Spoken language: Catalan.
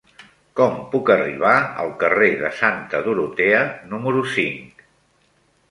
Com puc arribar al carrer de Santa Dorotea número cinc?